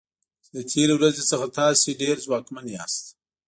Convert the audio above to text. چې د تیرې ورځې څخه تاسو ډیر ځواکمن یاست.